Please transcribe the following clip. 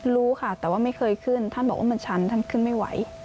รู้ค่ะแต่ว่าไม่เคยขึ้นท่านบอกว่ามันชันท่านขึ้นไม่ไหว